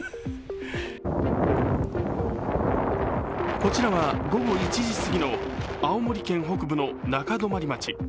こちらは午後１時すぎの青森県北部の中泊町。